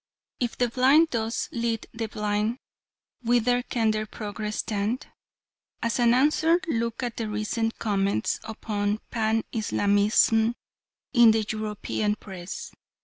If the blind thus lead the blind whither can their progress tend? As an answer look at the recent comments upon Pan Islamism in the European Press.